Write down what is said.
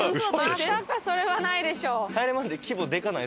まさかそれはないでしょ。